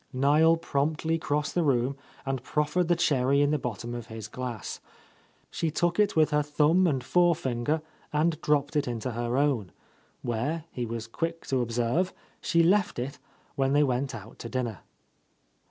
Niel promptly crossed the room and prof fered the cherry in the bottom of his glass. She took it with her thumb and fore finger and dropped it into her own, — where, he was quick to observe, she left it when they went out to dinner.